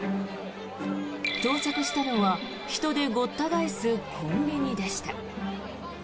到着したのは人でごった返すコンビニでした。